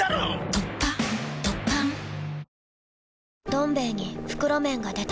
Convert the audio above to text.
「どん兵衛」に袋麺が出た